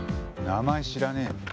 名前知らねえもん。